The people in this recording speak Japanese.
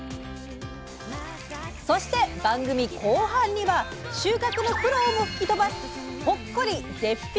そして番組後半には収穫の苦労も吹き飛ばすほっこり絶品！